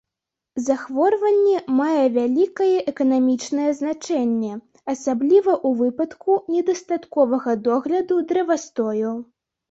Захворванне мае вялікае эканамічнае значэнне, асабліва ў выпадку недастатковага догляду дрэвастою.